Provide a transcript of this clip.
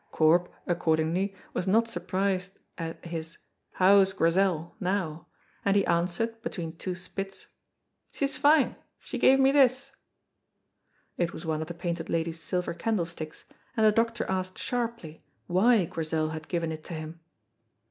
Corp, accordingly, was not surprised at his "How is Grizel?" now, and he answered, between two spits, "She's fine; she gave me this." It was one of the Painted Lady's silver candlesticks, and the doctor asked sharply why Grizel had given it to him.